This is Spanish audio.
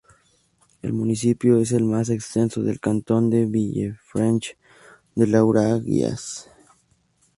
El municipio es el más extenso del cantón de Villefranche-de-Lauragais.